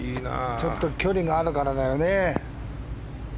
ちょっと距離があるからだよね。